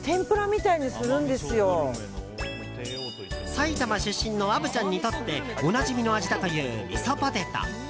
埼玉出身の虻ちゃんにとっておなじみの味だというみそポテト。